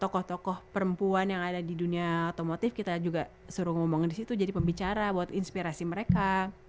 tokoh tokoh perempuan yang ada di dunia otomotif kita juga suruh ngomong di situ jadi pembicara buat inspirasi mereka